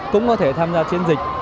cũng có thể tham gia chiến dịch